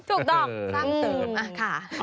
ถูกต้องสร้างเสริม